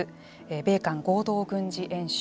米韓合同軍事演習。